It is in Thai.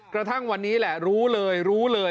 กระทั่งวันนี้แหละรู้เลยรู้เลย